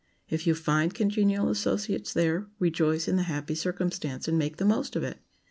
If you find congenial associates there, rejoice in the happy circumstance and make the most of it.